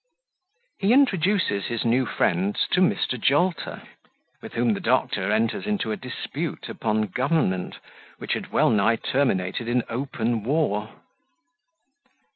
He introduces his new Friends to Mr. Jolter, with whom the Doctor enters into a Dispute upon Government, which had well nigh terminated in open War.